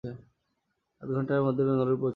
আধঘণ্টার মধ্যে বেঙ্গালুরু পৌছে যাব?